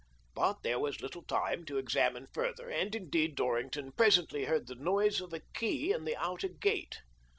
But there was little time to examine further, and indeed Dorrington presently heard the noise of a key in the outer gate.